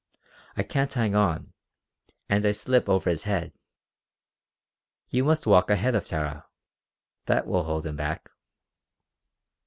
"I can't hang on, and I slip over his head. You must walk ahead of Tara. That will hold him back."